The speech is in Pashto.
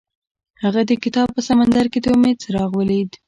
هغه د کتاب په سمندر کې د امید څراغ ولید.